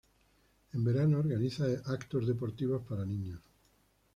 En verano organiza eventos deportivos para niños.